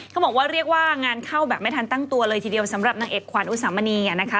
เขาบอกว่าเรียกว่างานเข้าแบบไม่ทันตั้งตัวเลยทีเดียวสำหรับนางเอกขวัญอุสามณีนะคะ